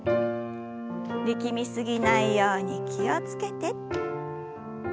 力み過ぎないように気を付けて。